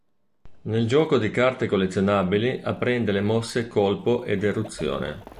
Nel gioco di carte collezionabili apprende le mosse Colpo ed Eruzione.